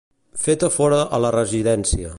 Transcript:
Feta fora a la residència.